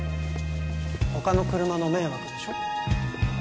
他の車の迷惑でしょ？